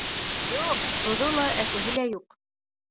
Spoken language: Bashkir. — Юҡ, тоҙо ла, әсеһе лә юҡ.